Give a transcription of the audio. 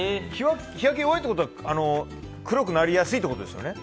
日焼け弱いということは黒くなりやすいってことですよね。